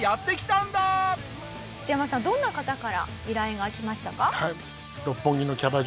どんな方から依頼が来ましたか？